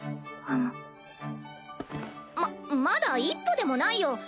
ままだ一歩でもないよ。